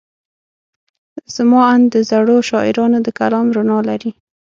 زما اند د زړو شاعرانو د کلام رڼا لري.